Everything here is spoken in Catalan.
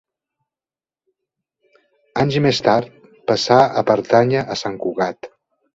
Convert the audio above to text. Anys més tard passà a pertànyer a Sant Cugat.